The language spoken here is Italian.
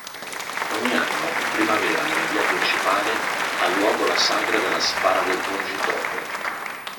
Ogni anno in primavera nella via principale ha luogo la sagra dell'asparago pungitopo.